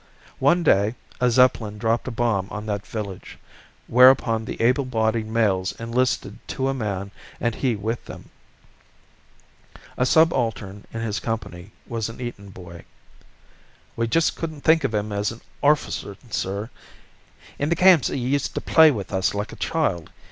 One day a Zeppelin dropped a bomb on that village, whereupon the able bodied males enlisted to a man, and he with them. A subaltern in his company was an Eton boy. "We just couldn't think of 'im as an orficer, sir; in the camps 'e used to play with us like a child.